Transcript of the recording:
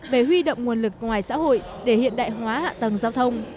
về huy động nguồn lực ngoài xã hội để hiện đại hóa hạ tầng giao thông